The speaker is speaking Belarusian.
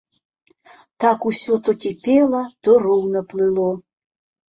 Так усё то кіпела, то роўна плыло.